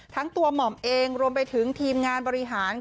ทั้งตัวหม่อมเองรวมไปถึงทีมงานบริหาร